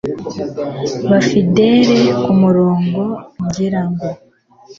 ba fidele kumurongo ngira ngo